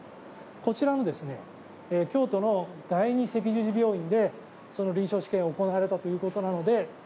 こちらの京都の第二赤十字病院でその臨床試験が行われたということなので。